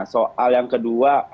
soal yang kedua